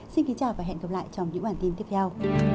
xin kính chào và hẹn gặp lại trong những bản tin tiếp theo